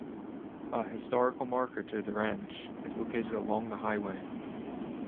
A historical marker to the ranch is located along the highway.